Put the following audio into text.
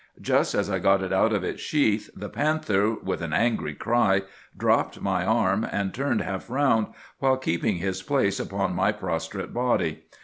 Just as I got it out of its sheath, the panther, with an angry cry, dropped my arm, and turned half round, while keeping his place upon my prostrate body.